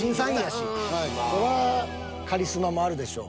そらカリスマもあるでしょう。